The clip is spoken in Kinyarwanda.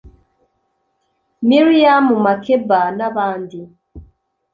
Myriam Makeba n’abandi